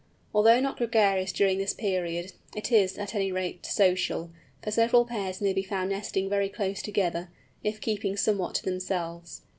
Although not gregarious during this period, it is, at any rate, social, for several pairs may be found nesting very close together, if keeping somewhat to themselves.